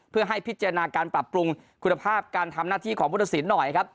เพื่อให้พิจารณาการปรับปรุงคุณภาพการทำหน้าที่ของพุทธศิลป์หน่อยครับ